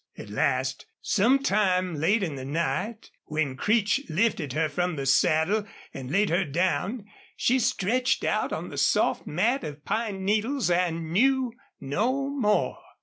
At last, sometime late in the night, when Creech lifted her from the saddle and laid her down, she stretched out on the soft mat of pine needles and knew no more.